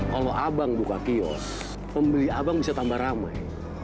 kalau abang buka kios pembeli abang bisa tambah ramai